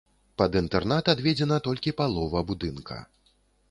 Пад інтэрнат адведзена толькі палова будынка.